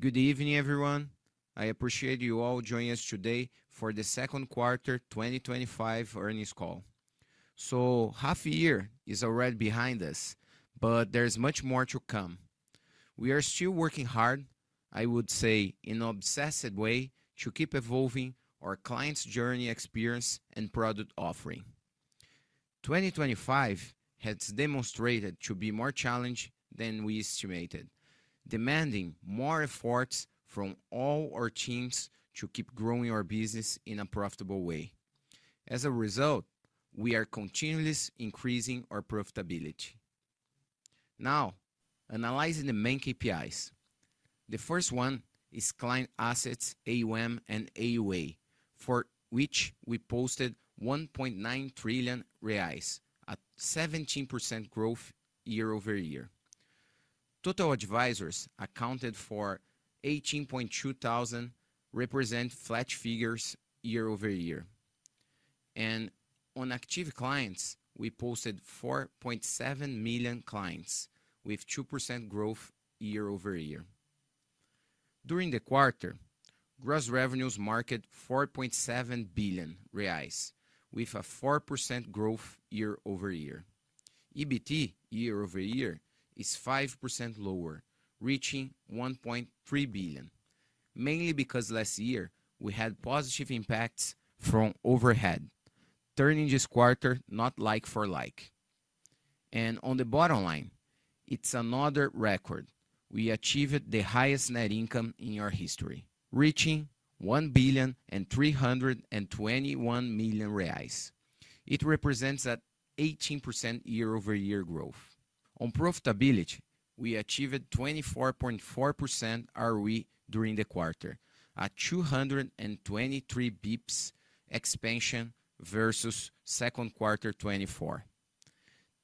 Good evening, everyone. I appreciate you all joining us today for the second quarter 2025 earnings call. Half a year is already behind us, but there's much more to come. We are still working hard, I would say, in an obsessive way to keep evolving our clients' journey experience and product offering. 2025 has demonstrated to be more challenging than we estimated, demanding more effort from all our teams to keep growing our business in a profitable way. As a result, we are continuously increasing our profitability. Now, analyzing the main KPIs. The first one is client assets, AUM and AUA, for which we posted 1.9 trillion reais, a 17% growth year-over-year. Total advisors accounted for 18.2 thousand, representing flat figures year-over-year. On active clients, we posted 4.7 million clients, with 2% growth year-over-year. During the quarter, gross revenues marked 4.7 billion reais, with a 4% growth year-over-year. EBITDA year-over-year is 5% lower, reaching 1.3 billion, mainly because last year we had positive impacts from overhead, turning this quarter not like for like. On the bottom line, it's another record. We achieved the highest net income in our history, reaching 1.321 billion. It represents an 18% year-over-year growth. On profitability, we achieved 24.4% ROE during the quarter, a 223 bps expansion versus second quarter 2024.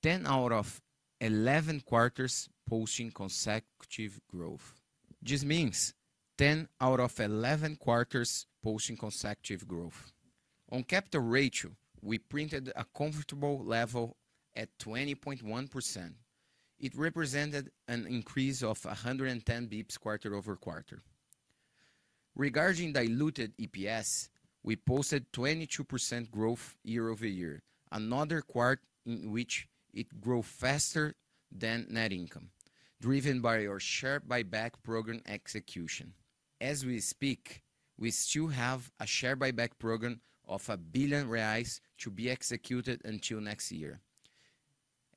10 out of 11 quarters posting consecutive growth. This means 10 out of 11 quarters posting consecutive growth. On capital ratio, we printed a comfortable level at 20.1%. It represented an increase of 110 bps quarter-over-quarter. Regarding diluted EPS, we posted 22% growth year-over-year, another quarter in which it grew faster than net income, driven by our share buyback program execution. As we speak, we still have a share buyback program of 1 billion reais to be executed until next year.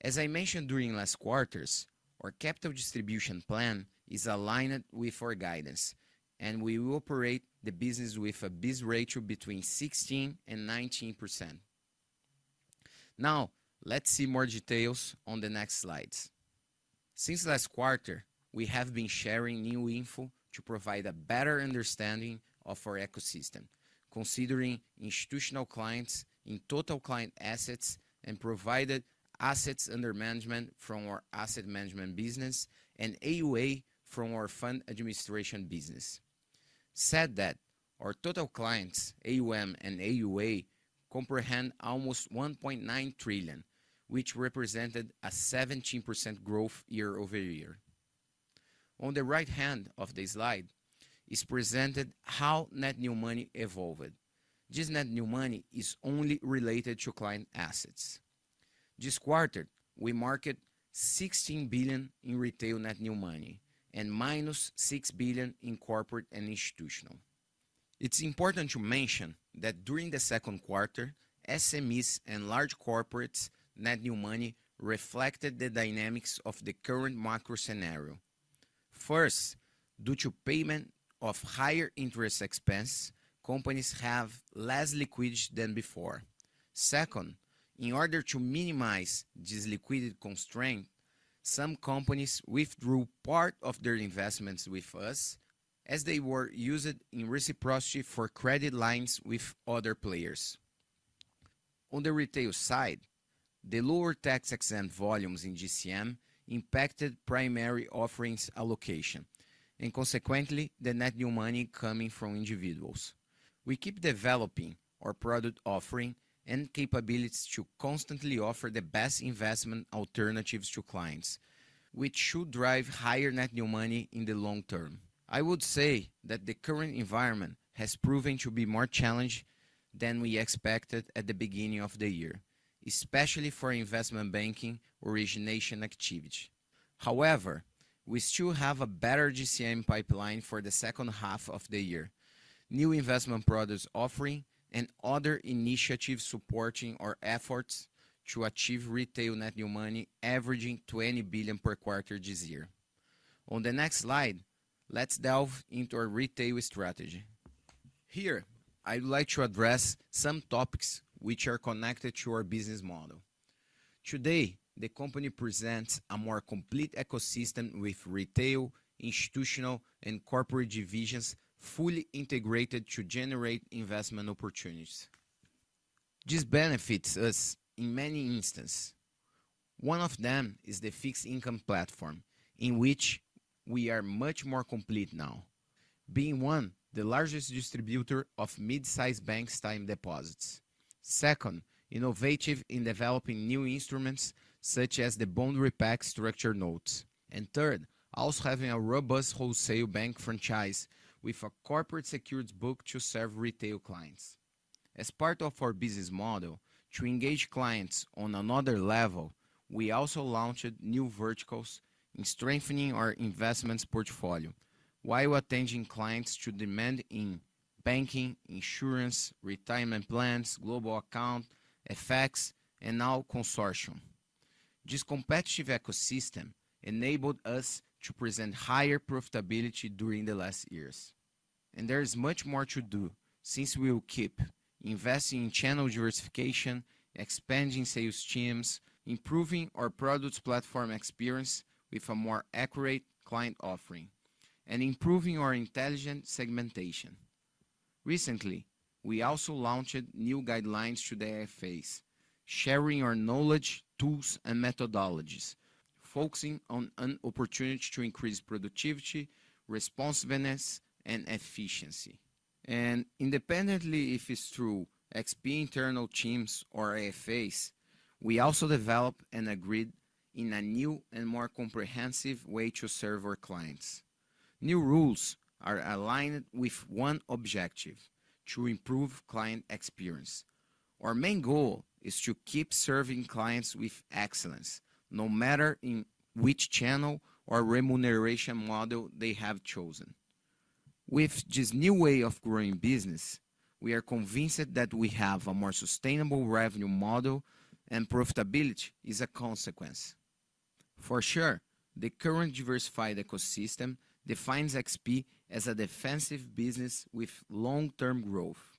As I mentioned during last quarters, our capital distribution plan is aligned with our guidance, and we will operate the business with a BIS Ratio between 16% and 19%. Now, let's see more details on the next slides. Since last quarter, we have been sharing new info to provide a better understanding of our ecosystem, considering institutional clients in total client assets and provided assets under management from our asset management business and AUA from our fund administration business. Said that, our total clients, AUM and AUA, comprehend almost 1.9 trillion, which represented a 17% growth year-over-year. On the right hand of the slide, it's presented how net new money evolved. This net new money is only related to client assets. This quarter, we marked 16 billion in retail net new money and minus 6 billion in corporate and institutional. It's important to mention that during the second quarter, SMEs and large corporates' net new money reflected the dynamics of the current macro-economic environment. First, due to payment of higher interest expenses, companies have less liquidity than before. Second, in order to minimize this liquidity constraint, some companies withdrew part of their investments with us as they were used in reciprocity requirements for credit lines with other players. On the retail side, the lower tax-exempt volumes in GCM impacted primary offerings allocation and, consequently, the net new money coming from individuals. We keep developing our product offering and capabilities to constantly offer the best investment alternatives to clients, which should drive higher net new money in the long term. I would say that the current environment has proven to be more challenging than we expected at the beginning of the year, especially for investment banking origination activity. However, we still have a better GCM pipeline for the second half of the year, new investment products offering, and other initiatives supporting our efforts to achieve retail net new money averaging 20 billion per quarter this year. On the next slide, let's delve into our retail strategy. Here, I would like to address some topics which are connected to our business model. Today, the company presents a more complete ecosystem with retail, institutional, and corporate divisions fully integrated to generate investment opportunities. This benefits us in many instances. One of them is the fixed income platform, in which we are much more complete now, being one of the largest distributors of mid-sized banks' time deposits. Second, innovative in developing new instruments such as the bond repack structured notes. Third, also having a robust wholesale bank franchise with a corporate-secured book to serve retail clients. As part of our business model, to engage clients on another level, we also launched new verticals in strengthening our investments portfolio while attending clients' demand in banking, insurance, retirement plans, global accounts, FX, and now consortium. This competitive ecosystem enabled us to present higher profitability during the last years. There is much more to do since we will keep investing in channel diversification, expanding sales teams, improving our product platform experience with a more accurate client offering, and improving our intelligent segmentation. Recently, we also launched new guidelines to the AFAs, sharing our knowledge, tools, and methodologies, focusing on an opportunity to increase productivity, responsiveness, and efficiency. Independently if it's through XP internal teams or AFAs, we also developed and agreed on a new and more comprehensive way to serve our clients. New rules are aligned with one objective – to improve client experience. Our main goal is to keep serving clients with excellence, no matter in which channel or remuneration model they have chosen. With this new way of growing business, we are convinced that we have a more sustainable revenue model, and profitability is a consequence. For sure, the current diversified ecosystem defines XP as a defensive business with long-term growth.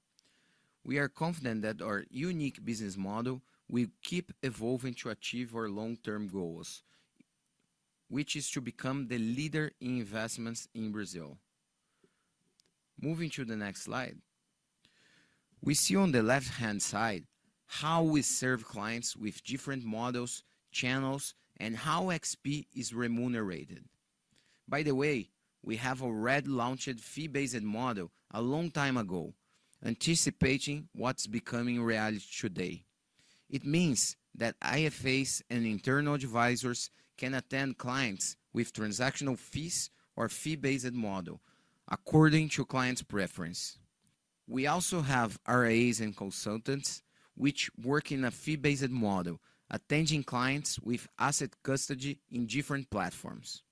We are confident that our unique business model will keep evolving to achieve our long-term goals, which is to become the leader in investments in Brazil. Moving to the next slide, we see on the left-hand side how we serve clients with different models, channels, and how XP is remunerated. By the way, we have already launched a fee-based model a long time ago, anticipating what's becoming reality today. It means that AFAs and internal advisors can attend clients with transactional fees or a fee-based model, according to clients' preference. We also have RAs and consultants which work in a fee-based model, attending clients with asset custody in different platforms.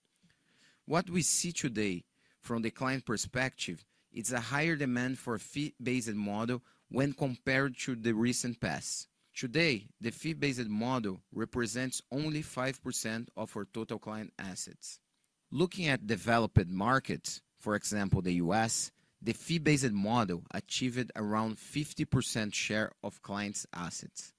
What we see today from the client perspective is a higher demand for a fee-based model when compared to the recent past. Today, the fee-based model represents only 5% of our total client assets. Looking at developed markets, for example, the U.S., the fee-based model achieved around a 50% share of clients' assets.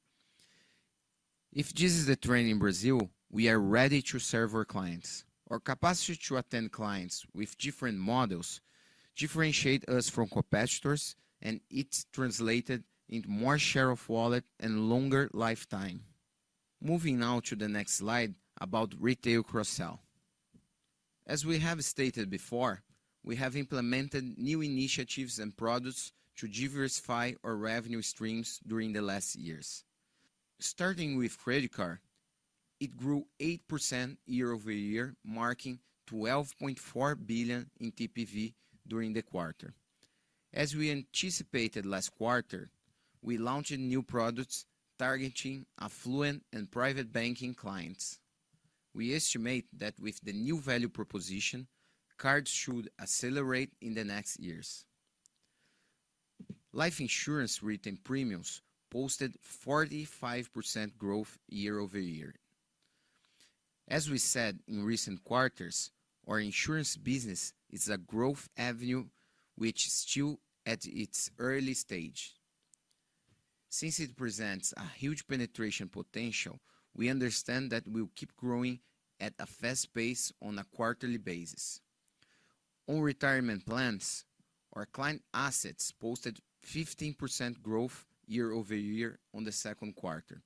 If this is the trend in Brazil, we are ready to serve our clients. Our capacity to attend clients with different models differentiates us from competitors, and it translates into more share of wallet and longer lifetime. Moving now to the next slide about retail cross-sell. As we have stated before, we have implemented new initiatives and products to diversify our revenue streams during the last years. Starting with credit cards, it grew 8% year-over-year, marking 12.4 billion in TPV during the quarter. As we anticipated last quarter, we launched new products targeting affluent and private banking clients. We estimate that with the new value proposition, cards should accelerate in the next years. Life insurance retail premiums posted 45% growth year-over-year. As we said in recent quarters, our insurance business is a growth avenue which is still at its early stage. Since it presents a huge penetration potential, we understand that we will keep growing at a fast pace on a quarterly basis. On retirement plans, our client assets posted 15% growth year-over-year on the second quarter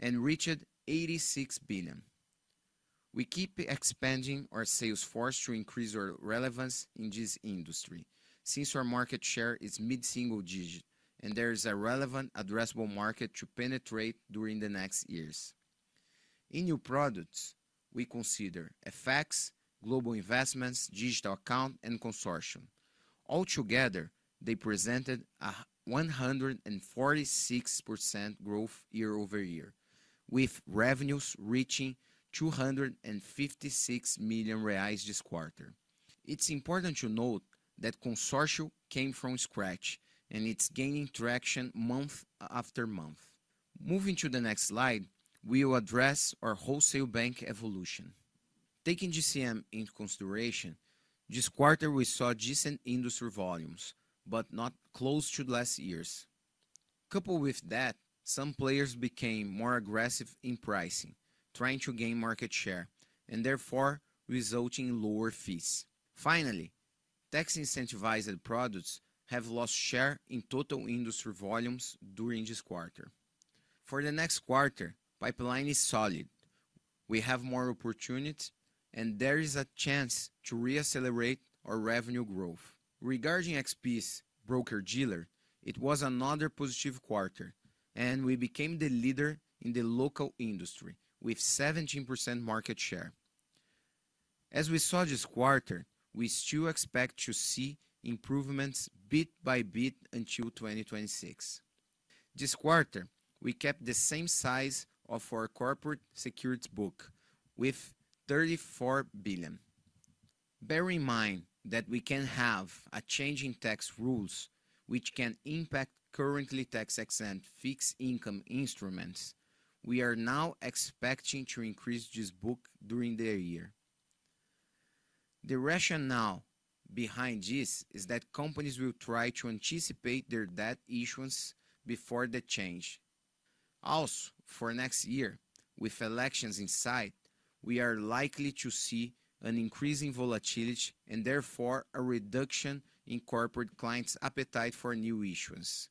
and reached 86 billion. We keep expanding our sales force to increase our relevance in this industry since our market share is mid-single digit and there is a relevant addressable market to penetrate during the next years. In new products, we consider FX, global investments, digital accounts, and consortium. Altogether, they presented a 146% growth year-over-year, with revenues reaching 256 million reais this quarter. It's important to note that the consortium came from scratch, and it's gaining traction month after month. Moving to the next slide, we will address our wholesale bank evolution. Taking GCM into consideration, this quarter we saw decent industry volumes, but not close to last year's. Coupled with that, some players became more aggressive in pricing, trying to gain market share and therefore resulting in lower fees. Finally, tax-incentivized products have lost share in total industry volumes during this quarter. For the next quarter, the pipeline is solid. We have more opportunities, and there is a chance to re-accelerate our revenue growth. Regarding XP's broker-dealer, it was another positive quarter, and we became the leader in the local industry with 17% market share. As we saw this quarter, we still expect to see improvements bit by bit until 2026. This quarter, we kept the same size of our corporate-secured book, with 34 billion. Bear in mind that we can have a change in tax rules which can impact currently tax-exempt fixed income instruments. We are now expecting to increase this book during the year. The rationale behind this is that companies will try to anticipate their debt issues before the change. Also, for next year, with elections in sight, we are likely to see an increase in volatility and therefore a reduction in corporate clients' appetite for new issues.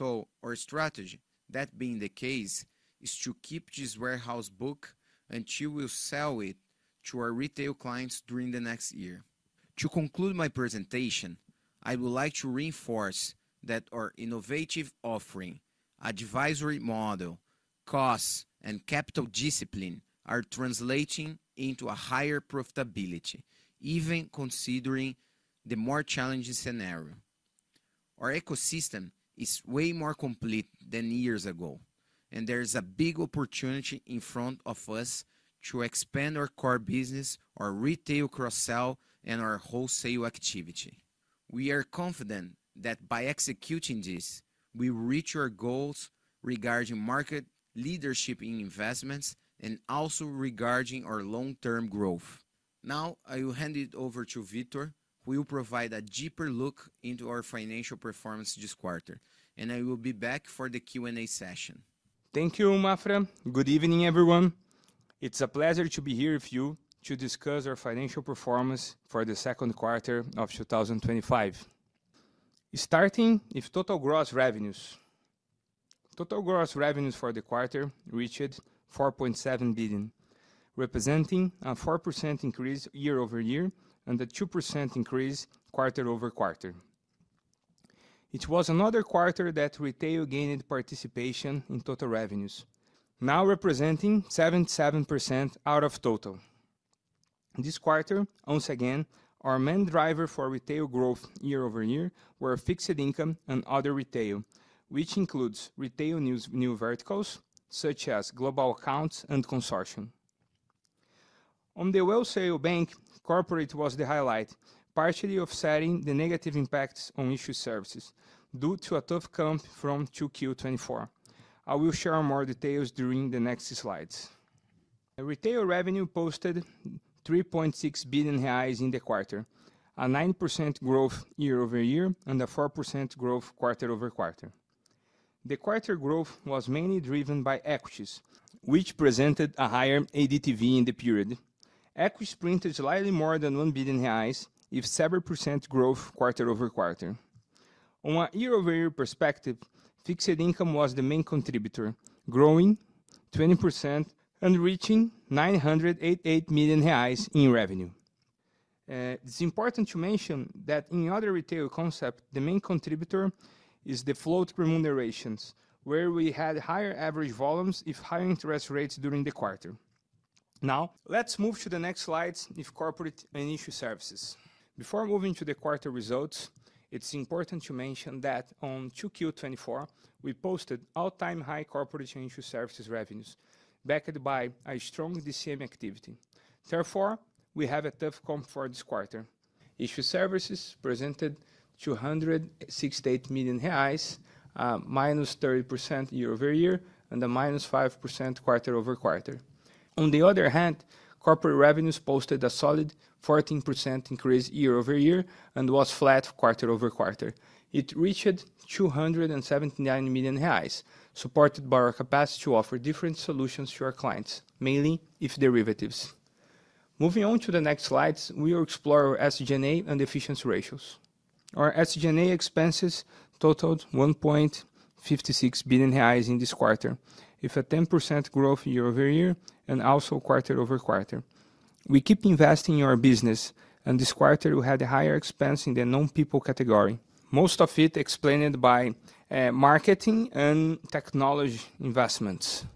Our strategy, that being the case, is to keep this warehouse book until we sell it to our retail clients during the next year. To conclude my presentation, I would like to reinforce that our innovative offering, advisory model, costs, and capital discipline are translating into a higher profitability, even considering the more challenging scenario. Our ecosystem is way more complete than years ago, and there is a big opportunity in front of us to expand our core business, our retail cross-sell, and our wholesale activity. We are confident that by executing this, we will reach our goals regarding market leadership in investments and also regarding our long-term growth. Now, I will hand it over to Victor, who will provide a deeper look into our financial performance this quarter, and I will be back for the Q&A session. Thank you, Maffra. Good evening, everyone. It's a pleasure to be here with you to discuss our financial performance for the second quarter of 2025. Starting with total gross revenues. Total gross revenues for the quarter reached 4.7 billion, representing a 4% increase year-over-year and a 2% increase quarter-over-quarter. It was another quarter that retail gained participation in total revenues, now representing 77% out of total. This quarter, once again, our main drivers for retail growth year-over-year were fixed income and other retail, which includes retail new verticals such as global accounts and consortium. On the wholesale bank, corporate was the highlight, partially offsetting the negative impacts on issued services due to a tough count from Q2 2024. I will share more details during the next slides. Retail revenue posted 3.6 billion reais in the quarter, a 9% growth year-over-year and a 4% growth quarter-over-quarter. The quarter growth was mainly driven by equities, which presented a higher ADTV in the period. Equities printed slightly more than 1 billion reais, with 7% growth quarter-over-quarter. On a year-over-year perspective, fixed income was the main contributor, growing 20% and reaching 988 million reais in revenue. It's important to mention that in other retail concepts, the main contributor is the float remunerations, where we had higher average volumes with higher interest rates during the quarter. Now, let's move to the next slides with corporate and issued services. Before moving to the quarter results, it's important to mention that on Q2 2024, we posted all-time high corporate and issued services revenues, backed by a strong GCM activity. Therefore, we have a tough count for this quarter. Issued services presented BRL 268 million, a -30% year-over-year and a -5% quarter-over-quarter. On the other hand, corporate revenues posted a solid 14% increase year-over-year and was flat quarter-over-quarter. It reached 279 million reais, supported by our capacity to offer different solutions to our clients, mainly with derivatives. Moving on to the next slides, we will explore our SG&A and efficiency ratios. Our SG&A expenses totaled 1.56 billion reais in this quarter, with a 10% growth year-over-year and also quarter-over-quarter. We keep investing in our business, and this quarter we had a higher expense in the non-people category, most of it explained by marketing and technology investments.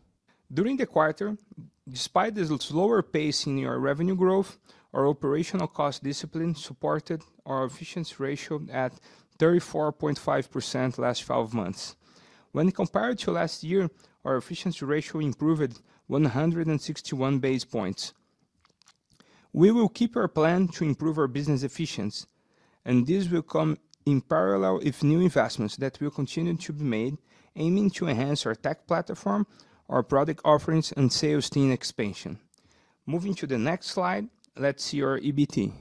During the quarter, despite the slower pace in our revenue growth, our operational cost discipline supported our efficiency ratio at 34.5% last 12 months. When compared to last year, our efficiency ratio improved 161 basis points. We will keep our plan to improve our business efficiency, and this will come in parallel with new investments that will continue to be made, aiming to enhance our tech platform, our product offerings, and sales team expansion. Moving to the next slide, let's see our EBITDA.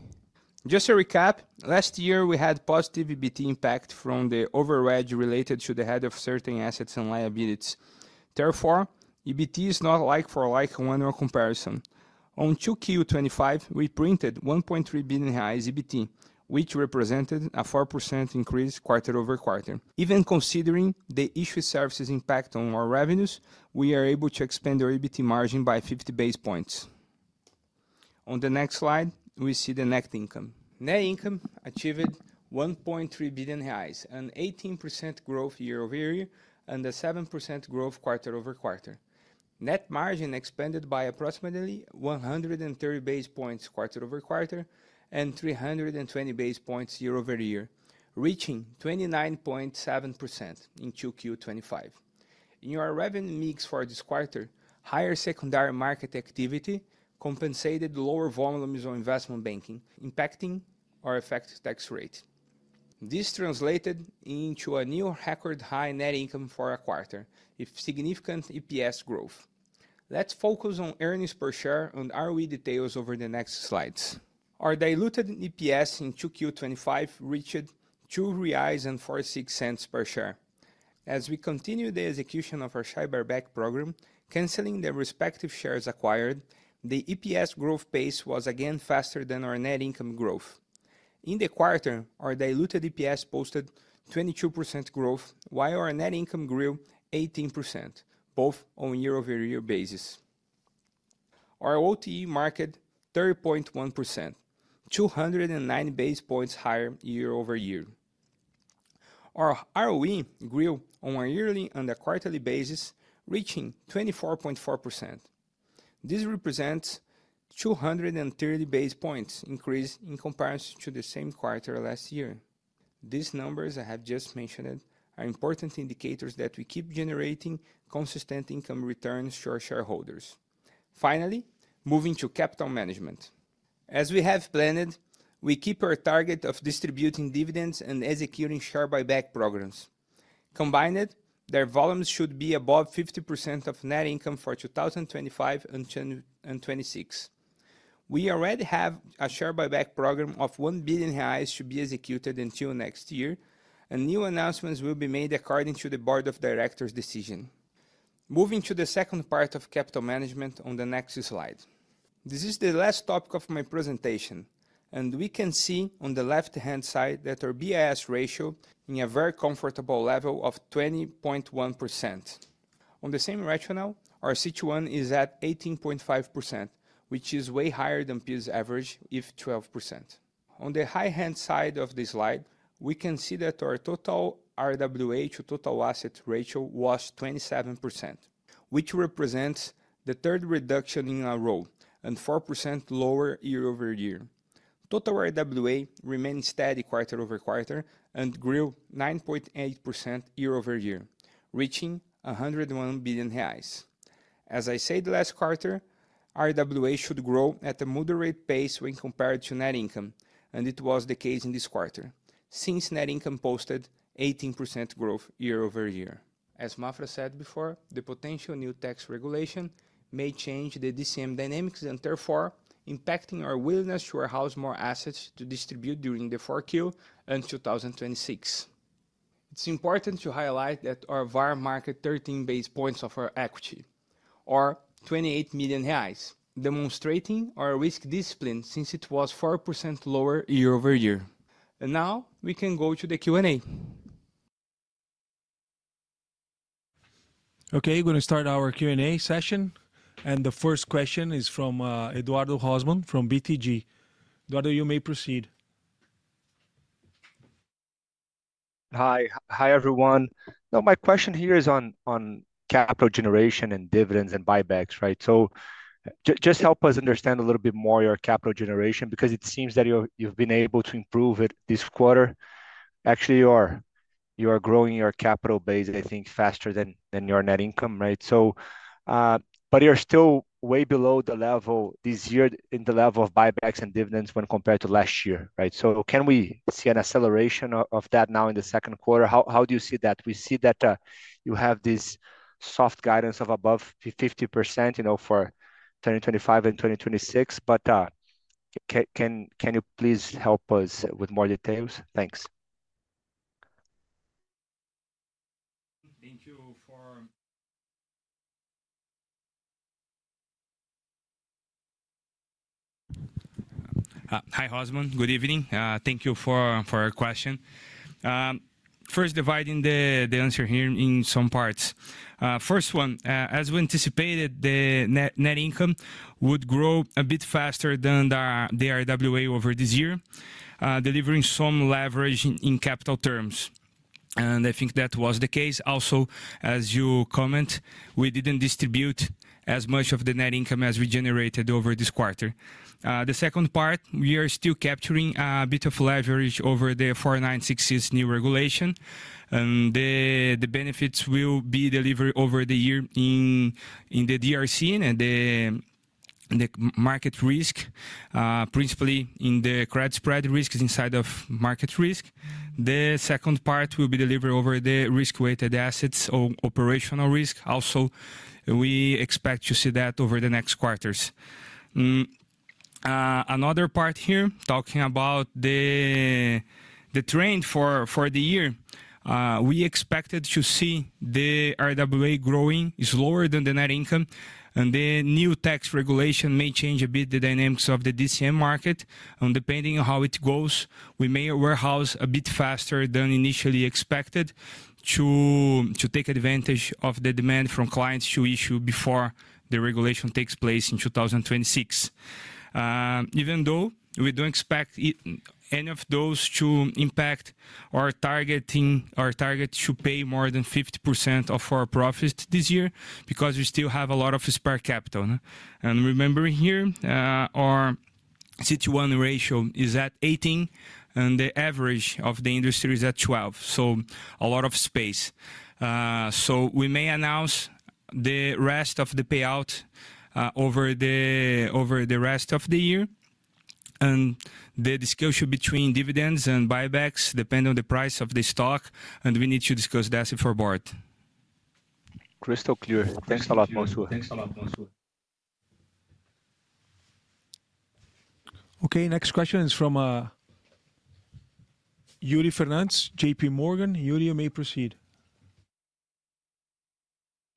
Just to recap, last year we had a positive EBITDA impact from the overage related to the hedge of certain assets and liabilities. Therefore, EBITDA is not like for like in one-to-one comparison. In Q2 2025, we printed 1.3 billion reais EBITDA, which represented a 4% increase quarter-over-quarter. Even considering the issued services' impact on our revenues, we are able to expand our EBITDA margin by 50 basis points. On the next slide, we see the net income. Net income achieved 1.3 billion reais, an 18% growth year-over-year and a 7% growth quarter-over-quarter. Net margin expanded by approximately 130 basis points quarter-over-quarter and 320 basis points year-over-year, reaching 29.7% in Q2 2025. In our revenue mix for this quarter, higher secondary market activity compensated lower volumes on investment banking, impacting our effective tax rate. This translated into a new record high net income for a quarter, with significant EPS growth. Let's focus on earnings per share and ROE details over the next slides. Our diluted EPS in Q2 2025 reached 2.46 reais per share. As we continued the execution of our share buyback program, canceling the respective shares acquired, the EPS growth pace was again faster than our net income growth. In the quarter, our diluted EPS posted 22% growth, while our net income grew 18%, both on a year-over-year basis. Our ROE marked 30.1%, 209 basis points higher year-over-year. Our ROE grew on a yearly and a quarterly basis, reaching 24.4%. This represents a 230 basis points increase in comparison to the same quarter last year. These numbers I have just mentioned are important indicators that we keep generating consistent income returns to our shareholders. Finally, moving to capital management. As we have planned, we keep our target of distributing dividends and executing share buyback programs. Combined, their volumes should be above 50% of net income for 2025 and 2026. We already have a share buyback program of 1 billion reais to be executed until next year, and new announcements will be made according to the Board of Directors' decision. Moving to the second part of capital management on the next slide. This is the last topic of my presentation, and we can see on the left-hand side that our BIS Ratio is in a very comfortable level of 20.1%. On the same rationale, our C2 is at 18.5%, which is way higher than PIL's average, with 12%. On the right-hand side of the slide, we can see that our total RWA to total assets ratio was 27%, which represents the third reduction in our roll and 4% lower year-over-year. Total RWA remains steady quarter-over-quarter and grew 9.8% year-over-year, reaching 101 billion reais. As I said last quarter, RWA should grow at a moderate pace when compared to net income, and it was the case in this quarter since net income posted 18% growth year-over-year. As Maffra said before, the potential new tax regulation may change the GCM dynamics and therefore impact our willingness to house more assets to distribute during Q4 and 2026. It's important to highlight that our VAR marked 13 basis points of our equity, or 28 million reais, demonstrating our risk discipline since it was 4% lower year-over-year. Now, we can go to the Q&A. Okay, we're going to start our Q&A session, and the first question is from Eduardo Rosman from BTG. Eduardo, you may proceed. Hi, hi everyone. My question here is on capital generation and dividends and buybacks, right? Just help us understand a little bit more your capital generation because it seems that you've been able to improve it this quarter. Actually, you are growing your capital base, I think, faster than your net income, right? You're still way below the level this year in the level of buybacks and dividends when compared to last year, right? Can we see an acceleration of that now in the second quarter? How do you see that? We see that you have this soft guidance of above 50% for 2025 and 2026, but can you please help us with more details? Thanks. Hi Housemann, good evening. Thank you for your question. First, dividing the answer here in some parts. First one, as we anticipated, the net income would grow a bit faster than the RWA over this year, delivering some leverage in capital terms. I think that was the case. Also, as you comment, we didn't distribute as much of the net income as we generated over this quarter. The second part, we are still capturing a bit of leverage over the 4960's new regulation, and the benefits will be delivered over the year in the DRC and the market risk, principally in the credit spread risks inside of market risk. The second part will be delivered over the risk-weighted assets or operational risk. We expect to see that over the next quarters. Another part here, talking about the trend for the year, we expected to see the RWA growing is lower than the net income, and the new tax regulation may change a bit the dynamics of the DCM market. Depending on how it goes, we may warehouse a bit faster than initially expected to take advantage of the demand from clients to issue before the regulation takes place in 2026. Even though we don't expect any of those to impact, our target is to pay more than 50% of our profits this year because we still have a lot of spare capital. Remember here, our C2 ratio is at 18, and the average of the industry is at 12. A lot of space. We may announce the rest of the payout over the rest of the year, and the discussion between dividends and buybacks depends on the price of the stock, and we need to discuss that before board. Crystal clear. Thanks a lot, Mansur. Thanks a lot, Victor Mansur. Okay, next question is from Yuri Fernandes, JPMorgan. Yuri, you may proceed.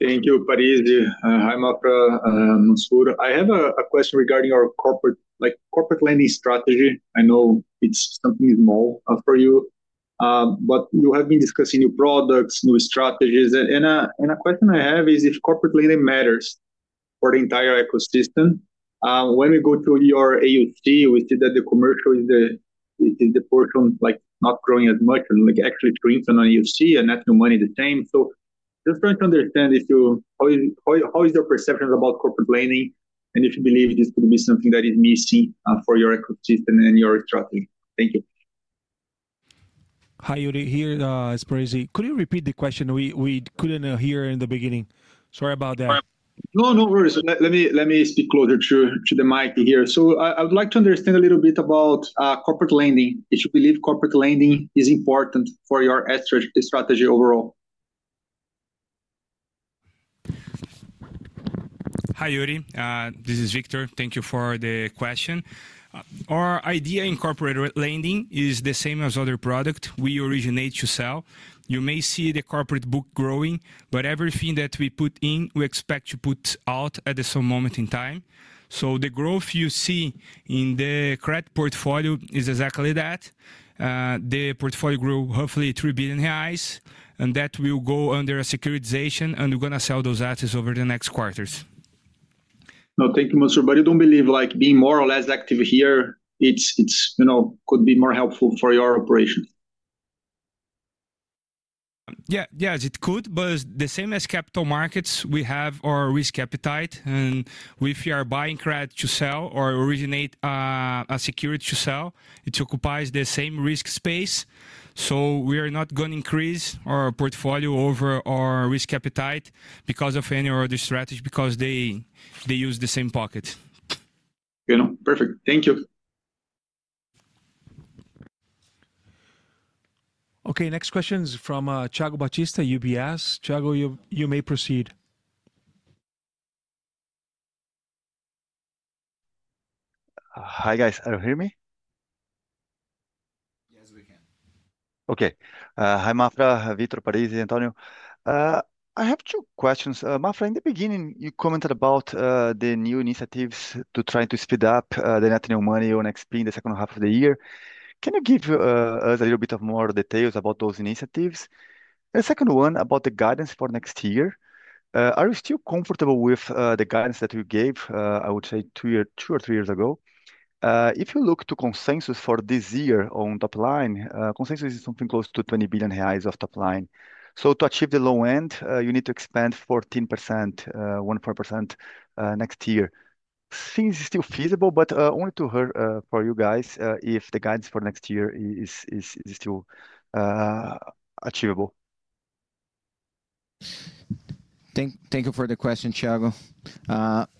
Thank you, Parize. Hi, Maffra, Mansur. I have a question regarding our corporate lending strategy. I know it's something small for you, but you have been discussing new products, new strategies, and a question I have is if corporate lending matters for the entire ecosystem. When we go to your AUM, we see that the commercial is the portion like not growing as much, and like actually it's greater than AUM, and net new money the same. Just trying to understand how is your perception about corporate lending, and if you believe this could be something that is missing for your ecosystem and your strategy. Thank you. Hi, Yuri [here]. It's Parize. Could you repeat the question? We couldn't hear in the beginning. Sorry about that. No worries. Let me speak closer to the mic here. I would like to understand a little bit about corporate lending. If you believe corporate lending is important for your strategy overall. Hi, Yuri. This is Victor. Thank you for the question. Our idea in corporate lending is the same as other products we originate to sell. You may see the corporate book growing, but everything that we put in, we expect to put out at some moment in time. The growth you see in the credit portfolio is exactly that. The portfolio grew roughly 3 billion reais, and that will go under a securitization, and we're going to sell those assets over the next quarters. No, thank you, Mansur. You don't believe like being more or less active here, it could be more helpful for your operation? Yes, it could, but the same as capital markets, we have our risk appetite, and if you are buying credit to sell or originate a security to sell, it occupies the same risk space. We are not going to increase our portfolio over our risk appetite because of any other strategy, because they use the same pockets. Perfect. Thank you. Okay, next question is from Thiago Batista, UBS. Thiago, you may proceed. Hi, guys. Can you hear me? Okay. Hi, Maffra, Victor, Parize, Antonio. I have two questions. Maffra, in the beginning, you commented about the new initiatives to try to speed up the net new money on XP in the second half of the year. Can you give us a little bit more details about those initiatives? The second one about the guidance for next year. Are you still comfortable with the guidance that we gave, I would say, two or three years ago? If you look to consensus for this year on top line, consensus is something close to 20 billion reais of top line. To achieve the low end, you need to expand 14%, 1.5% next year. Things are still feasible, but only to hear for you guys if the guidance for next year is still achievable. Thank you for the question, Thiago.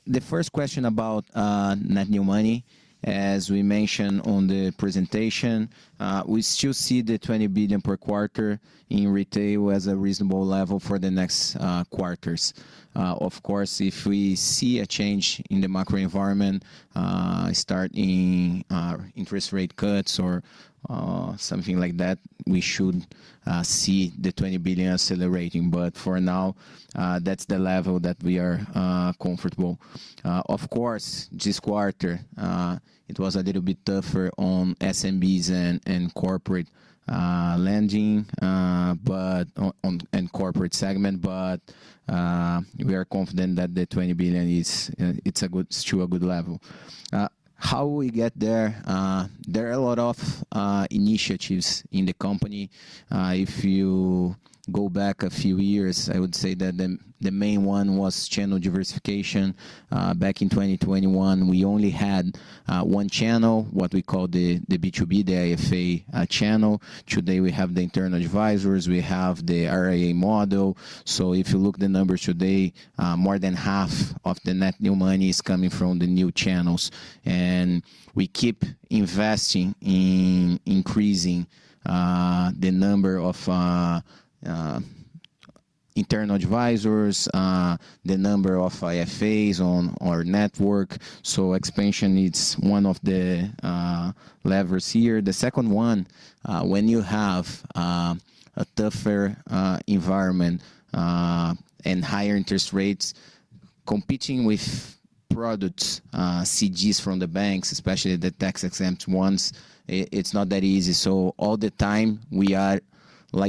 The first question about net new money, as we mentioned on the presentation, we still see the 20 billion per quarter in retail as a reasonable level for the next quarters. Of course, if we see a change in the macro-economic environment, starting interest rate cuts or something like that, we should see the 20 billion accelerating. For now, that's the level that we are comfortable. This quarter, it was a little bit tougher on SMBs and corporate lending and corporate segment, but we are confident that the 20 billion is still a good level. How do we get there? There are a lot of initiatives in the company. If you go back a few years, I would say that the main one was channel diversification. Back in 2021, we only had one channel, what we call the B2B, the AFA (autonomous financial advisor) channel. Today, we have the internal advisors, we have the RIA model. If you look at the numbers today, more than half of the net new money is coming from the new channels. We keep investing in increasing the number of internal advisors, the number of AFAs on our network. Expansion is one of the levers here. The second one, when you have a tougher environment and higher interest rates, competing with products, CDs from the banks, especially the tax-exempt ones, it's not that easy. All the time, we are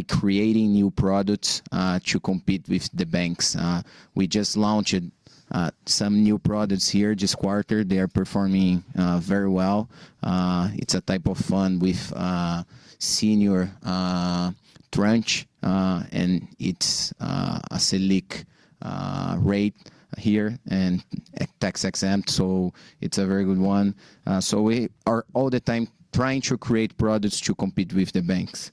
creating new products to compete with the banks. We just launched some new products here this quarter. They are performing very well. It's a type of fund with a senior tranche, and it's a select rate here and tax-exempt, so it's a very good one. We are all the time trying to create products to compete with the banks.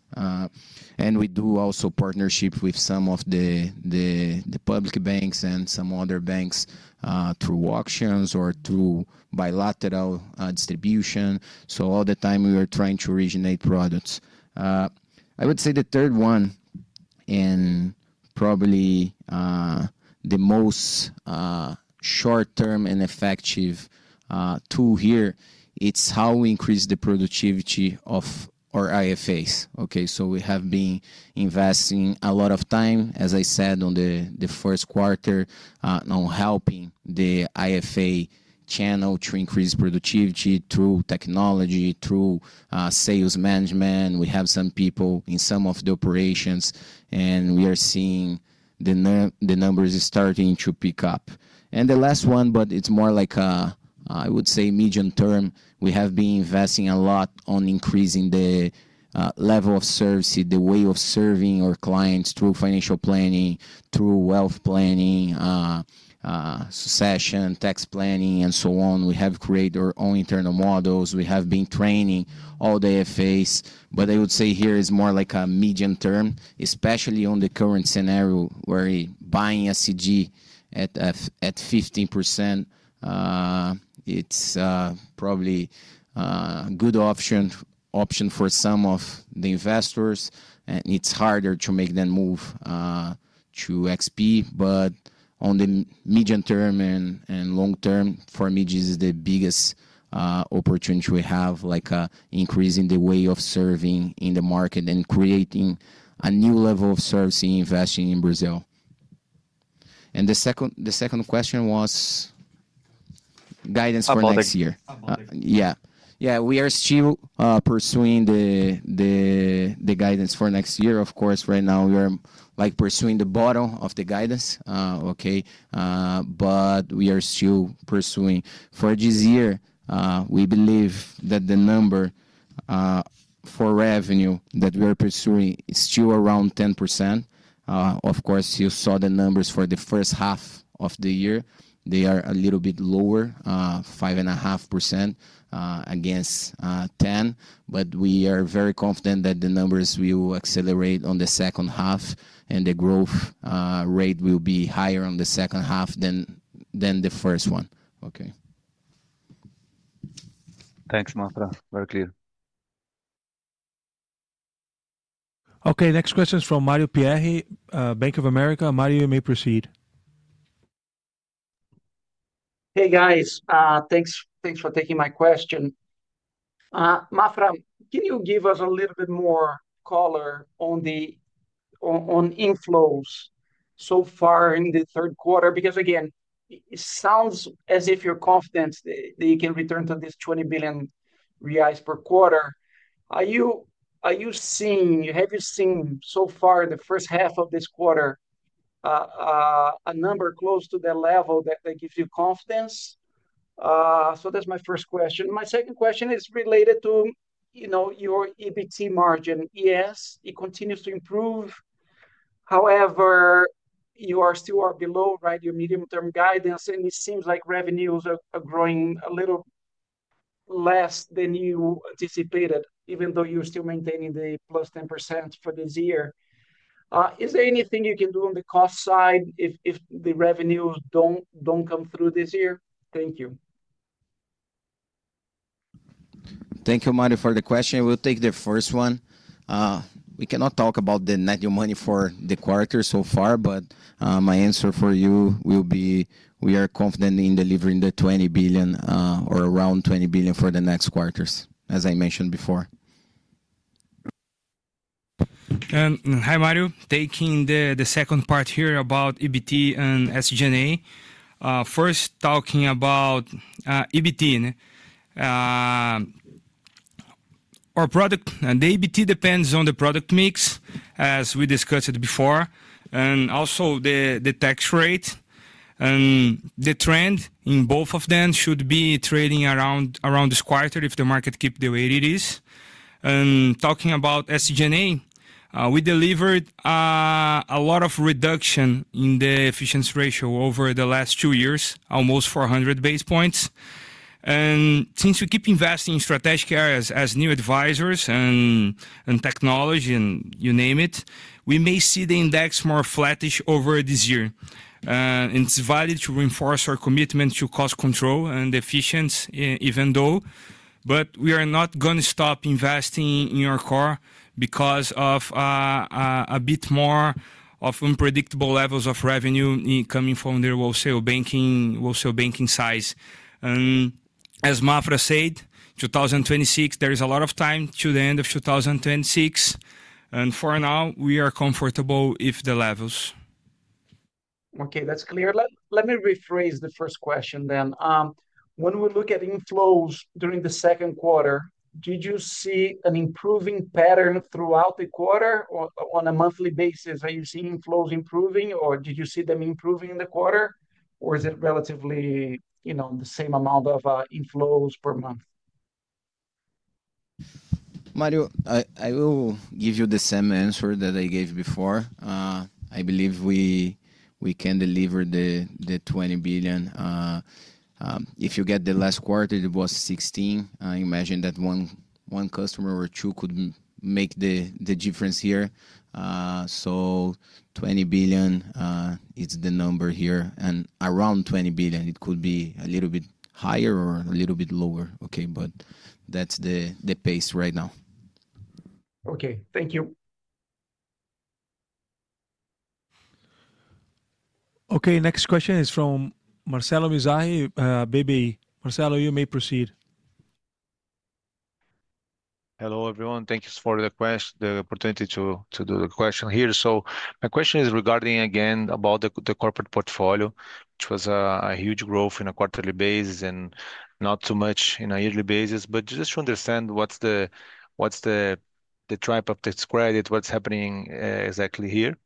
We do also partnerships with some of the public banks and some other banks through auctions or through bilateral distribution. All the time, we are trying to originate products. I would say the third one and probably the most short-term and effective tool here is how we increase the productivity of our AFAs. We have been investing a lot of time, as I said, on the first quarter on helping the AFA channel to increase productivity through technology, through sales management. We have some people in some of the operations, and we are seeing the numbers starting to pick up. The last one, but it's more like a, I would say, medium term. We have been investing a lot on increasing the level of service, the way of serving our clients through financial planning, through wealth planning, succession, tax planning, and so on. We have created our own internal models. We have been training all the AFAs. I would say here it's more like a medium term, especially in the current scenario where buying a CD at 15% is probably a good option for some of the investors, and it's harder to make that move to XP, but on the medium term and long term, for me, this is the biggest opportunity we have, like an increase in the way of serving in the market and creating a new level of service investing in Brazil. The second question was guidance for next year. For the follow-up. Yeah, we are still pursuing the guidance for next year. Of course, right now we are pursuing the bottom of the guidance, okay? We are still pursuing for this year. We believe that the number for revenue that we are pursuing is still around 10%. You saw the numbers for the first half of the year. They are a little bit lower, 5.5% against 10%, but we are very confident that the numbers will accelerate in the second half, and the growth rate will be higher in the second half than the first one, okay? Thanks, Maffra. Very clear. Okay, next question is from Mario Pierry, Bank of America. Mario, you may proceed. Hey guys, thanks for taking my question. Maffra, can you give us a little bit more color on the inflows so far in the third quarter? It sounds as if you're confident that you can return to this 20 billion reais per quarter. Are you seeing, have you seen so far in the first half of this quarter a number close to the level that gives you confidence? That's my first question. My second question is related to your EBITDA margin. Yes, it continues to improve. However, you are still below your medium-term guidance, and it seems like revenues are growing a little less than you anticipated, even though you're still maintaining the +10% for this year. Is there anything you can do on the cost side if the revenues don't come through this year? Thank you. Thank you, Mario, for the question. We'll take the first one. We cannot talk about the net new money for the quarter so far, but my answer for you will be we are confident in delivering the 20 billion or around 20 billion for the next quarters, as I mentioned before. Hi, Mario, taking the second part here about EBITDA and SG&A. First, talking about EBITDA. Our EBITDA depends on the product mix, as we discussed before, and also the tax rates. The trend in both of them should be trading around this quarter if the market keeps the way it is. Talking about SG&A, we delivered a lot of reduction in the efficiency ratio over the last two years, almost 400 basis points. Since we keep investing in strategic areas such as new advisors and technology, and you name it, we may see the index more flattish over this year. It is valid to reinforce our commitment to cost control and efficiency, even though we are not going to stop investing in our core because of a bit more unpredictable levels of revenue coming from the wholesale banking side. As Maffra said, 2026, there is a lot of time to the end of 2026. For now, we are comfortable with the levels. Okay, that's clear. Let me rephrase the first question then. When we look at inflows during the second quarter, did you see an improving pattern throughout the quarter or on a monthly basis? Are you seeing inflows improving, or did you see them improving in the quarter, or is it relatively the same amount of inflows per month? Mario, I will give you the same answer that I gave before. I believe we can deliver the 20 billion. If you get the last quarter, it was 16 billion. I imagine that one customer or two could make the difference here. 20 billion is the number here, and around 20 billion, it could be a little bit higher or a little bit lower, okay? That's the pace right now. Okay, thank you. Okay, next question is from Marcelo Mizrahi, BBI. Marcelo, you may proceed. Hello, everyone. Thank you for the question, the opportunity to do the question here. My question is regarding, again, about the corporate portfolio. It was a huge growth on a quarterly basis and not so much on a yearly basis, just to understand what's the drive of this credit, what's happening exactly here.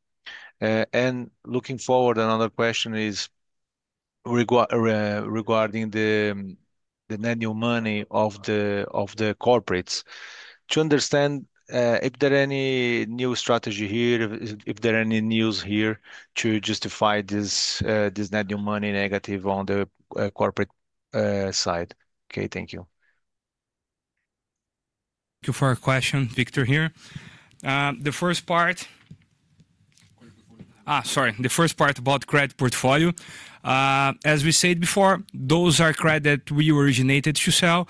Looking forward, another question is regarding the net new money of the corporates. To understand if there are any new strategies here, if there are any news here to justify this net new money negative on the corporate side. Okay, thank you. Thank you for your question, Victor here. The first part about credit portfolio. As we said before, those are credits that we originated to sell.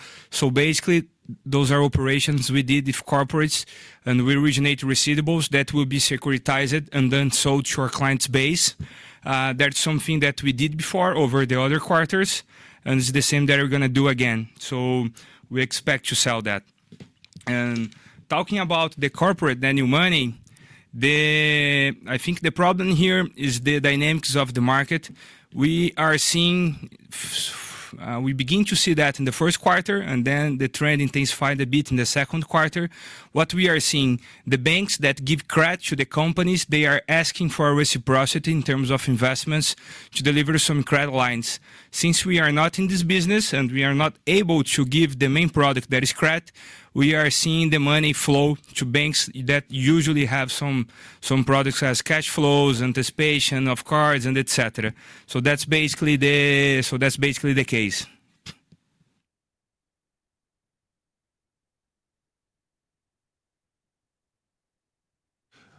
Basically, those are operations we did with corporates, and we originate receivables that will be securitized and then sold to our client base. That's something that we did before over the other quarters, and it's the same that we're going to do again. We expect to sell that. Talking about the corporate net new money, I think the problem here is the dynamics of the market. We are seeing, we began to see that in the first quarter, and then the trend intensified a bit in the second quarter. What we are seeing, the banks that give credit to the companies, they are asking for reciprocity in terms of investments to deliver some credit lines. Since we are not in this business and we are not able to give the main product that is credit, we are seeing the money flow to banks that usually have some products as cash flows, anticipation of cards, etc. That's basically the case.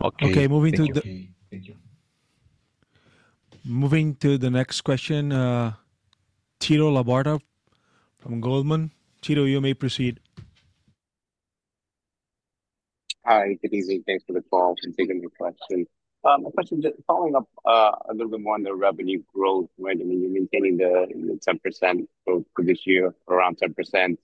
Okay, thank you. Okay, moving to the next question, Tito Labarta from Goldman. Tito, you may proceed. Hi, it's Easy. Thanks for the call. I'm taking the question. My question is just following up a little bit more on the revenue growth, right? I mean, you're maintaining the 7% growth for this year, around 7%.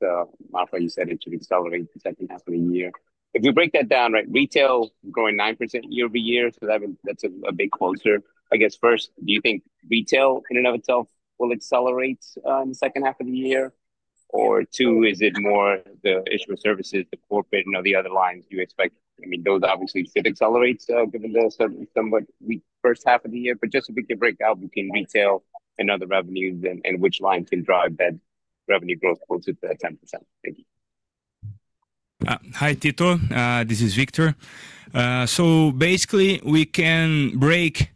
Maffra, you said it should accelerate in the second half of the year. If you break that down, right, retail growing 9% YoY, so that's a big closure. I guess first, do you think retail in and of itself will accelerate in the second half of the year? Or two, is it more the issued services, the corporate, and all the other lines you expect? I mean, those obviously should accelerate given the first half of the year, but just if we could break out between retail and other revenues and which lines can drive that revenue growth closer to 10%. Thank you. Hi, Tito. This is Victor. Basically, we can break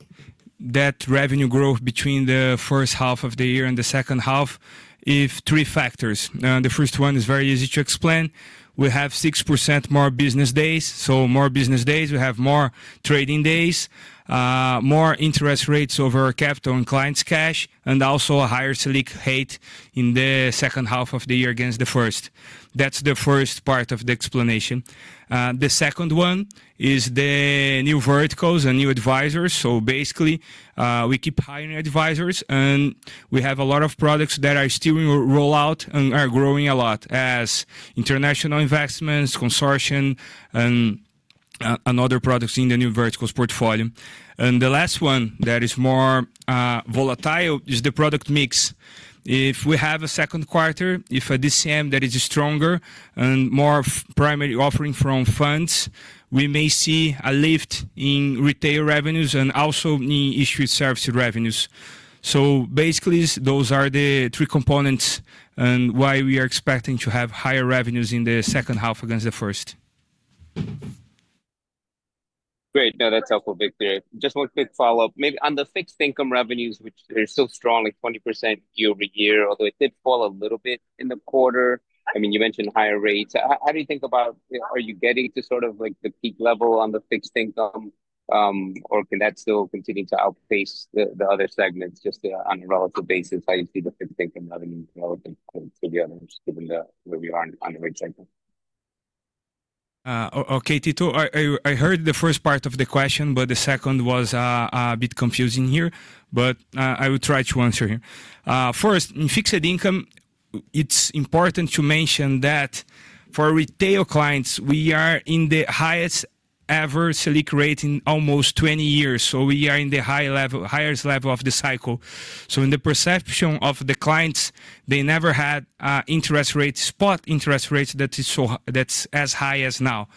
that revenue growth between the first half of the year and the second half into three factors. The first one is very easy to explain. We have 6% more business days, so more business days, we have more trading days, more interest rates over capital and clients' cash, and also a higher selling rate in the second half of the year against the first. That's the first part of the explanation. The second one is the new verticals and new advisors. Basically, we keep hiring advisors, and we have a lot of products that are still in rollout and are growing a lot, as international investments, consortium, and other products in the new verticals portfolio. The last one that is more volatile is the product mix. If we have a second quarter, if a DCM that is stronger and more primary offering from funds, we may see a lift in retail revenues and also in issued services revenues. Basically, those are the three components and why we are expecting to have higher revenues in the second half against the first. Great. No, that's helpful, Victor. Just one quick follow-up. Maybe on the fixed income revenues, which are still strong, like 20% year-over-year, although it did fall a little bit in the quarter. I mean, you mentioned higher rates. How do you think about, are you getting to sort of like the peak level on the fixed income, or can that still continue to outpace the other segments just on a relative basis? How do you see the fixed income revenue relative to the others, given where we are on the rate segment? Okay, Tito, I heard the first part of the question, but the second was a bit confusing here, but I will try to answer here. First, in fixed income, it's important to mention that for retail clients, we are in the highest ever selling rate in almost 20 years. We are in the highest level of the cycle. In the perception of the clients, they never had interest rates, spot interest rates that are as high as now.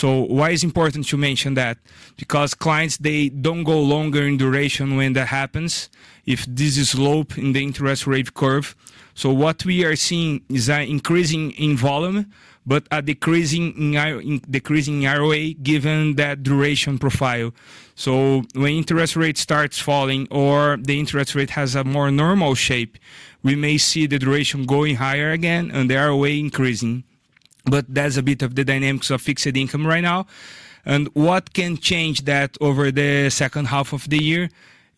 Why is it important to mention that? Because clients, they don't go longer in duration when that happens if this is low in the interest rate curve. What we are seeing is an increase in volume, but a decrease in ROA given that duration profile. When interest rate starts falling or the interest rate has a more normal shape, we may see the duration going higher again and the ROA increasing. That's a bit of the dynamics of fixed income right now. What can change that over the second half of the year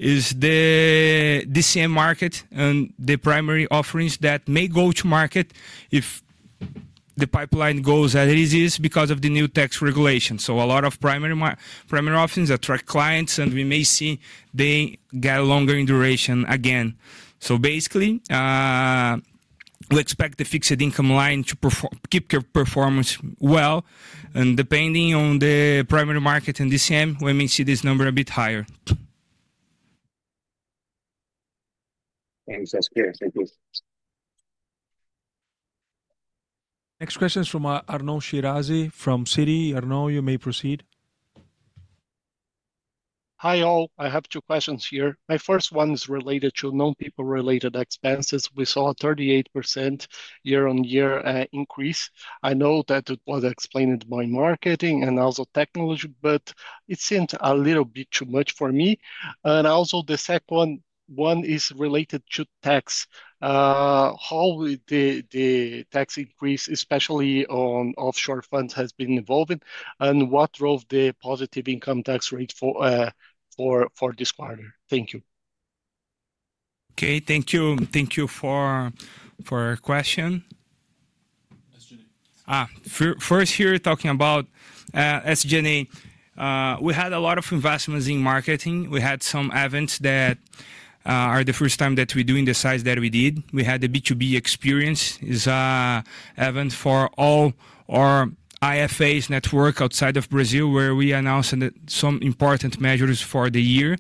is the DCM market and the primary offerings that may go to market if the pipeline goes as it is because of the new tax regulations. A lot of primary offerings attract clients, and we may see they get longer in duration again. Basically, we expect the fixed income line to keep performance well, and depending on the primary market and DCM, we may see this number a bit higher. Thanks, that's clear. Thank you. Next question is from Arnaud Shirazi from Citi. Arnaud, you may proceed. Hi all. I have two questions here. My first one is related to non-people-related expenses. We saw a 38% year-on-year increase. I know that it was explained by marketing and also technology, but it seemed a little bit too much for me. The second one is related to tax. How did the tax increase, especially on offshore funds, have been evolving? What drove the positive income tax rate for this quarter? Thank you. Okay, thank you. Thank you for your question. First here, talking about SG&A. We had a lot of investments in marketing. We had some events that are the first time that we do in the size that we did. We had the B2B Experience. It's an event for all our AFA network outside of Brazil, where we announced some important measures for the year.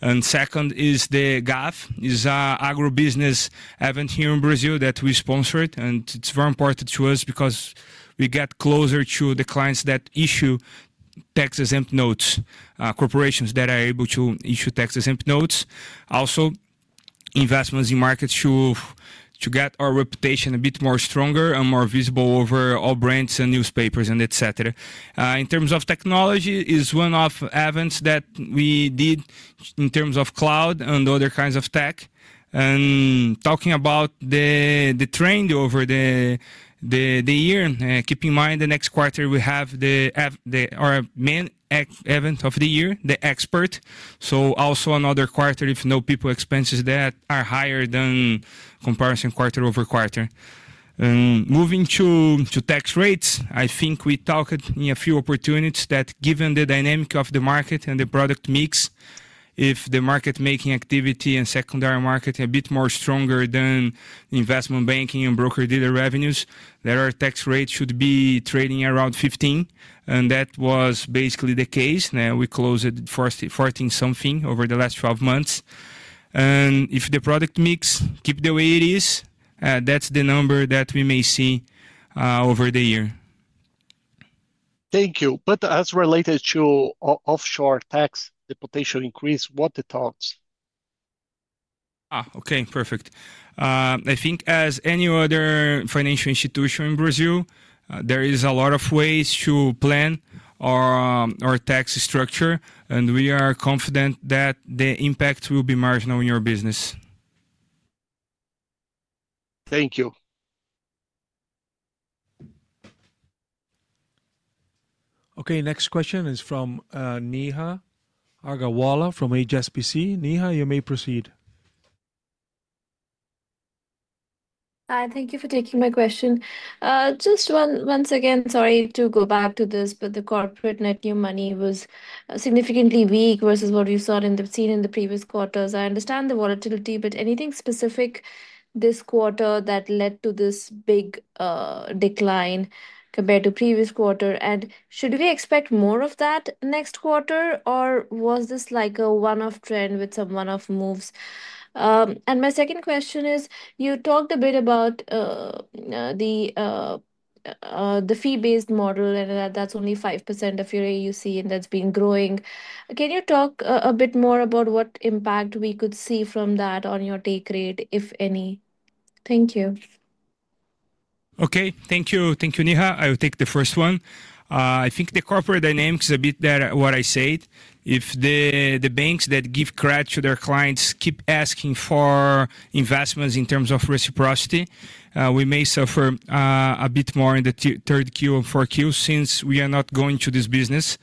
The second is the GAF. It's an agribusiness event here in Brazil that we sponsored, and it's very important to us because we get closer to the clients that issue tax-exempt notes, corporations that are able to issue tax-exempt notes. Also, investments in markets to get our reputation a bit more stronger and more visible over all brands and newspapers, etc. In terms of technology, it's one of the events that we did in terms of cloud and other kinds of tech. Talking about the trend over the year, keep in mind the next quarter we have our main event of the year, the Expert. Also, another quarter of non-people expenses that are higher than the comparison quarter-over-quarter. Moving to tax rates, I think we talked in a few opportunities that given the dynamic of the market and the product mix, if the market-making activity and secondary market are a bit more stronger than investment banking and broker-dealer revenues, our tax rate should be trading around 15%. That was basically the case. We closed at 14-something over the last 12 months. If the product mix keeps the way it is, that's the number that we may see over the year. Thank you. As related to offshore tax, the potential increase, what are the talks? Okay, perfect. I think as any other financial institution in Brazil, there are a lot of ways to plan our tax structure, and we are confident that the impact will be marginal in our business. Thank you. Okay, next question is from Neha Agarwala from HSBC. Neha, you may proceed. Hi, thank you for taking my question. Just once again, sorry to go back to this, but the corporate net new money was significantly weak versus what we saw and have seen in the previous quarters. I understand the volatility, but anything specific this quarter that led to this big decline compared to the previous quarter? Should we expect more of that next quarter, or was this like a one-off trend with some one-off moves? My second question is, you talked a bit about the fee-based model, and that's only 5% of your AUC, and that's been growing. Can you talk a bit more about what impact we could see from that on your take rate, if any? Thank you. Okay, thank you. Thank you, Neha. I will take the first one. I think the corporate dynamics are a bit better than what I said. If the banks that give credit to their clients keep asking for investments in terms of reciprocity, we may suffer a bit more in the third Q or fourth Q since we are not going to this business.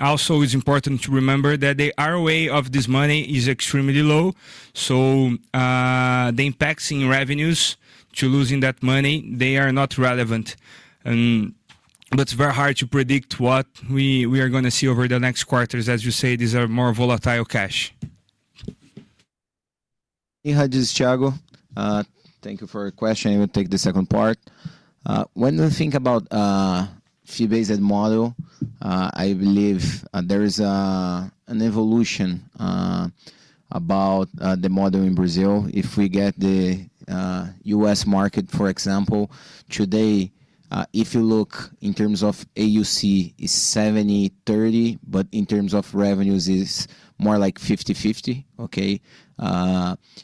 Also, it's important to remember that the ROA of this money is extremely low, so the impacts in revenues to losing that money, they are not relevant. It's very hard to predict what we are going to see over the next quarters. As you said, these are more volatile cash. Neha, this is Thiago. Thank you for your question. I will take the second part. When we think about the fee-based model, I believe there is an evolution about the model in Brazil. If we get the U.S. market, for example, today, if you look in terms of AUC, it's 70-30, but in terms of revenues, it's more like 50-50, okay?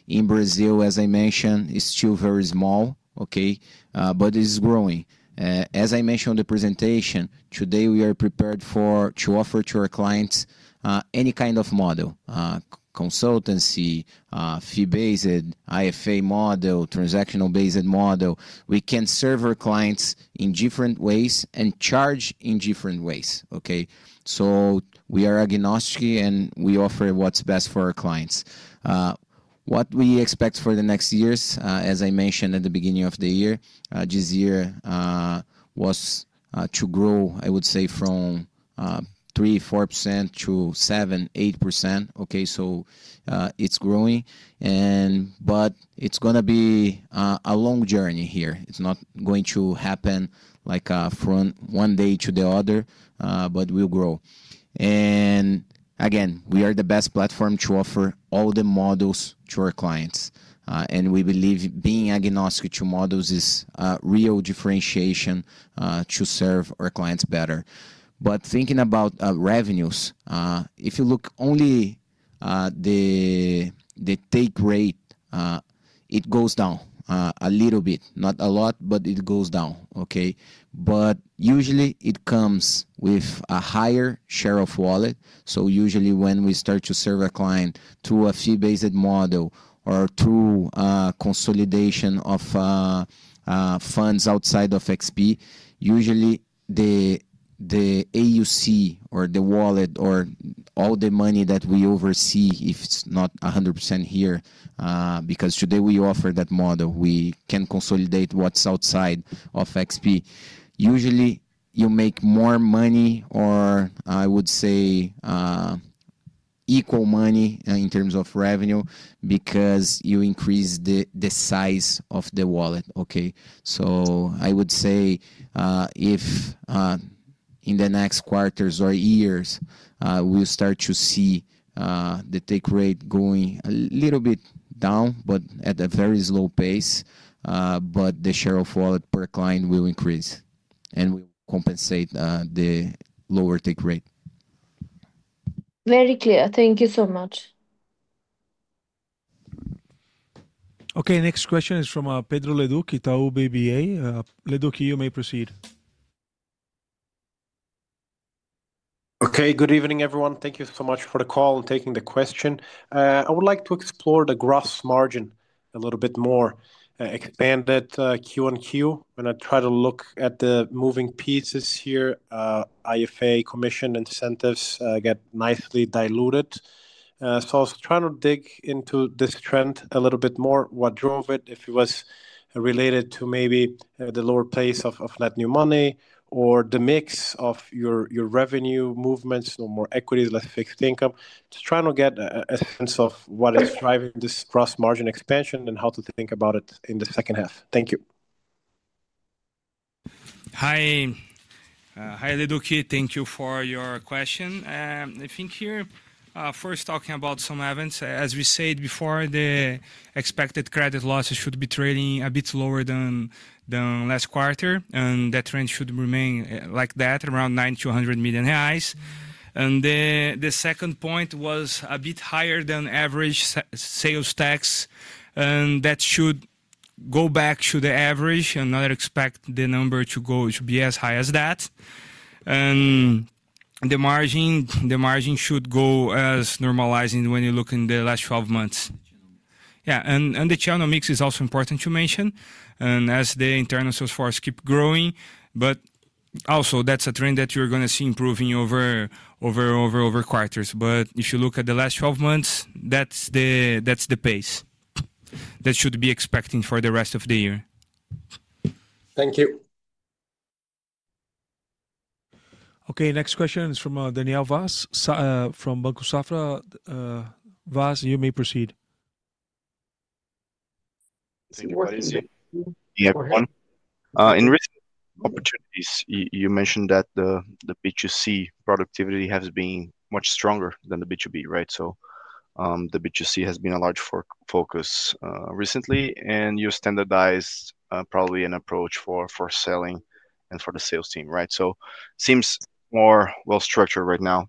In Brazil, as I mentioned, it's still very small, okay? It's growing. As I mentioned on the presentation, today we are prepared to offer to our clients any kind of model: consultancy, fee-based, AFA model, transactional-based model. We can serve our clients in different ways and charge in different ways, okay? We are agnostic, and we offer what's best for our clients. What we expect for the next years, as I mentioned at the beginning of the year, this year was to grow, I would say, from 3%-4% to 7%-8%, okay? It's growing, but it's going to be a long journey here. It's not going to happen like from one day to the other, but we'll grow. We are the best platform to offer all the models to our clients, and we believe being agnostic to models is a real differentiation to serve our clients better. Thinking about revenues, if you look only at the take rate, it goes down a little bit, not a lot, but it goes down, okay? Usually, it comes with a higher share of wallet. Usually, when we start to serve a client through a fee-based model or through consolidation of funds outside of XP, usually the AUC or the wallet or all the money that we oversee, if it's not 100% here, because today we offer that model, we can consolidate what's outside of XP. Usually, you make more money or I would say equal money in terms of revenue because you increase the size of the wallet, okay? I would say if in the next quarters or years, we'll start to see the take rate going a little bit down, but at a very slow pace, the share of wallet per client will increase, and we will compensate the lower take rate. Very clear. Thank you so much. Okay, next question is from Pedro Leduc, Itaú BBA. Leduc, you may proceed. Okay, good evening, everyone. Thank you so much for the call and taking the question. I would like to explore the gross margin a little bit more. Expanded QoQ, when I try to look at the moving pieces here, AFA, commission, and incentives get nicely diluted. I was trying to dig into this trend a little bit more. What drove it? If it was related to maybe the lower pace of net new money or the mix of your revenue movements, more equity, less fixed income, just trying to get a sense of what is driving this gross margin expansion and how to think about it in the second half. Thank you. Hi, Leduc. Thank you for your question. I think here, first talking about some evidence. As we said before, the expected credit losses should be trading a bit lower than last quarter, and that trend should remain like that, around 9.2 billion reais. The second point was a bit higher than average sales tax, and that should go back to the average and not expect the number to be as high as that. The margin should go as normalizing when you look in the last 12 months. The channel mix is also important to mention, as the internal sales force keeps growing, but also that's a trend that you're going to see improving over quarters. If you look at the last 12 months, that's the pace that should be expected for the rest of the year. Thank you. Okay, next question is from Daniel Vaz from Banco Safra. Vaz, you may proceed. Thank you, Parize. In recent opportunities, you mentioned that the B2C productivity has been much stronger than the B2B, right? The B2C has been a large focus recently, and you standardized probably an approach for selling and for the sales team, right? It seems more well structured right now.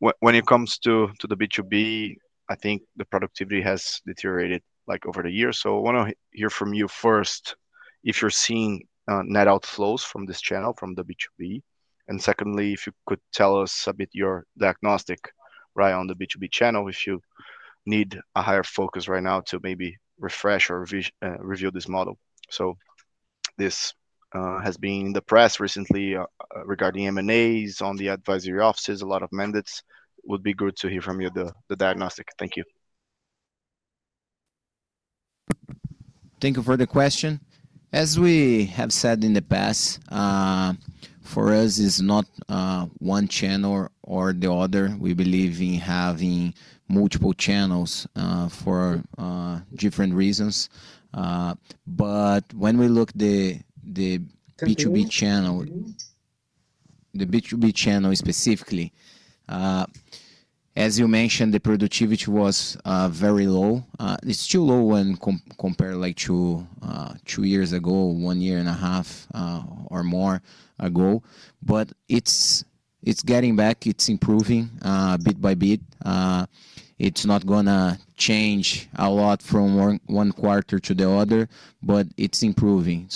When it comes to the B2B, I think the productivity has deteriorated over the years. I want to hear from you first if you're seeing net outflows from this channel, from the B2B, and secondly, if you could tell us a bit your diagnostic on the B2B channel, if you need a higher focus right now to maybe refresh or review this model. This has been in the press recently regarding M&As on the advisory offices, a lot of mandates. It would be good to hear from you the diagnostic. Thank you. Thank you for the question. As we have said in the past, for us, it's not one channel or the other. We believe in having multiple channels for different reasons. When we look at the B2B channel, the B2B channel specifically, as you mentioned, the productivity was very low. It's still low when compared to two years ago, one year and a half or more ago, but it's getting back. It's improving bit by bit. It's not going to change a lot from one quarter to the other, but it's improving.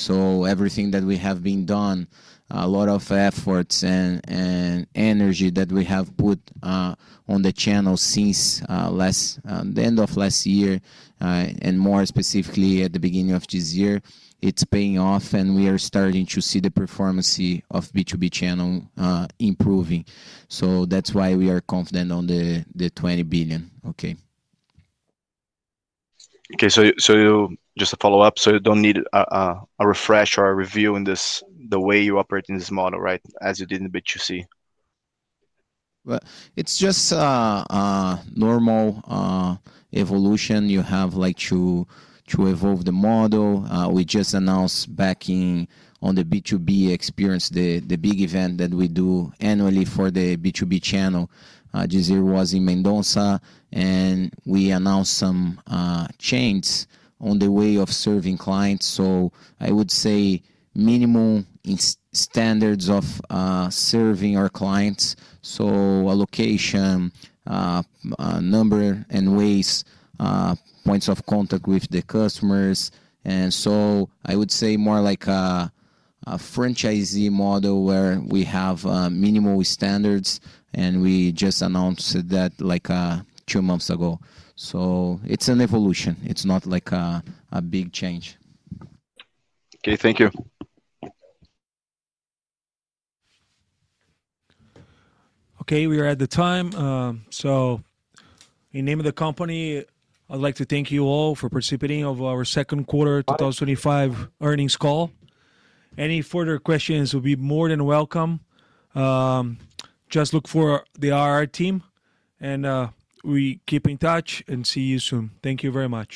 Everything that we have done, a lot of efforts and energy that we have put on the channel since the end of last year, and more specifically at the beginning of this year, is paying off and we are starting to see the performance of the B2B channel improving. That's why we are confident on the 20 billion, okay? Okay, just a follow-up. You don't need a refresh or a review in the way you operate in this model, right, as you did in the B2C? It's just a normal evolution. You have to evolve the model. We just announced backing on the B2B experience, the big event that we do annually for the B2B channel. This year was in Mendoza, and we announced some change on the way of serving clients. I would say minimal standards of serving our clients – allocation, number, and ways, points of contact with the customers. I would say more like a franchisee model where we have minimal standards, and we just announced that like two months ago. It's an evolution. It's not like a big change. Okay, thank you. Okay, we are at the time. In the name of the company, I'd like to thank you all for participating in our second quarter 2025 earnings call. Any further questions will be more than welcome. Just look for the IR team, and we keep in touch and see you soon. Thank you very much.